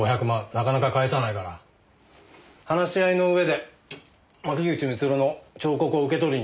なかなか返さないから話し合いの上で牧口満の彫刻を受け取りにいったんだよ。